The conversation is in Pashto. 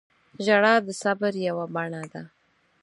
• ژړا د صبر یوه بڼه ده.